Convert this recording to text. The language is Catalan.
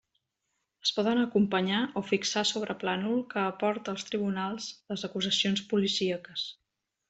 Es poden acompanyar o fixar sobre plànol que aporte el tribunal les actuacions policíaques.